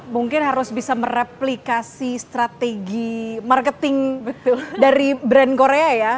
mungkin harus bisa mereplikasi strategi marketing dari brand korea ya